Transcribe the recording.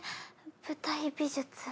舞台美術。